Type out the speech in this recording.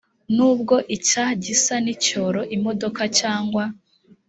nubwo icya gisa n icyoroimodoka cyangwa